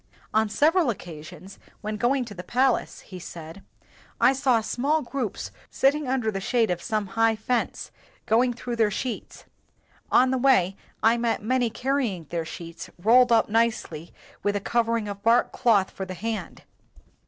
'' On several occasions, when going to the palace," said he, "I saw small groups sitting under the shade of some high fence, going through their sheets ; on the way I met many carry 107 WHITE MAN OF WORK ing their sheets rolled up nicely, with a cov ering of bark cloth for the hand.